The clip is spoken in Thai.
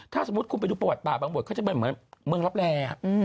ถ้าสมมุติคุณไปดูประวัติป่าบางบทเขาจะเป็นเหมือนเมืองรับแร่